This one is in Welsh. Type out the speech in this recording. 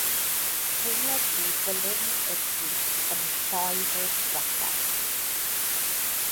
Teimlodd hi fwlyn y drws yn troi heb drafferth.